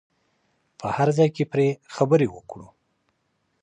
په هر ځای کې پرې خبرې وکړو.